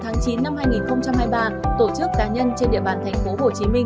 từ ngày một tháng chín năm hai nghìn hai mươi ba tổ chức cá nhân trên địa bàn tp hcm